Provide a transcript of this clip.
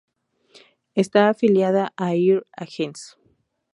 Está afiliada a Air Agency.